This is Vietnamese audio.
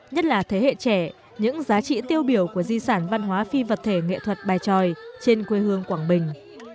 nhất là thế hệ trẻ những giá trị tiêu biểu của di sản văn hóa phi vật thể nghệ thuật bài tròi trên quê hương quảng bình